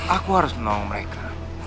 aku harus menolong mereka